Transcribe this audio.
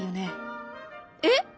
えっ？